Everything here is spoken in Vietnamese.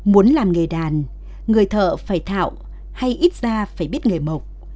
muốn làm nghề đàn người thợ phải thạo hay ít ra phải biết nghề mộc